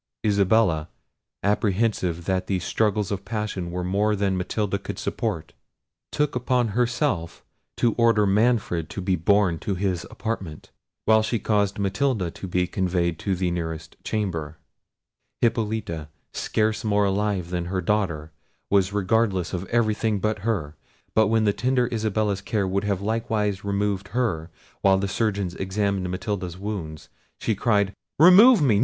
Isabella, apprehensive that these struggles of passion were more than Matilda could support, took upon herself to order Manfred to be borne to his apartment, while she caused Matilda to be conveyed to the nearest chamber. Hippolita, scarce more alive than her daughter, was regardless of everything but her; but when the tender Isabella's care would have likewise removed her, while the surgeons examined Matilda's wound, she cried, "Remove me!